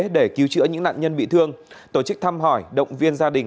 để cứu chữa những nạn nhân bị thương tổ chức thăm hỏi động viên gia đình